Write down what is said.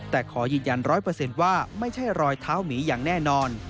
แต่ขอยืนยัน๑๐๐ว่าไม่ใช่รอยเท้าหมีอย่างแน่นอน